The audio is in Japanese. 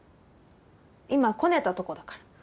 「今こねたとこだから」